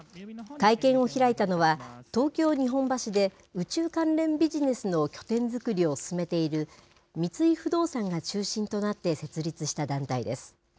会見を開いたのは、東京・日本橋で宇宙関連ビジネスの拠点づくりを進めている、三井不動産が中心となって設立した団体です。